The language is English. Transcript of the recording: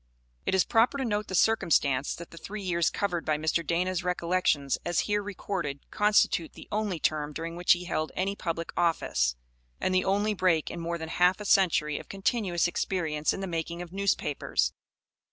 It is proper to note the circumstance that the three years covered by Mr. Dana's Recollections as here recorded constitute the only term during which he held any public office, and the only break in more than half a century of continuous experience in the making of newspapers.